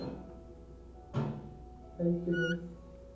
入ってます。